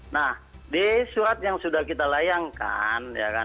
nah di surat yang sudah kita layangkan